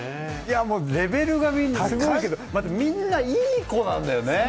もうレベルがすごいけれども、みんな、いい子なんだよね。